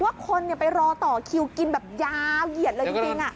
ว่าคนไปรอต่อคิวกินแบบยาวเหยียดเลยจริง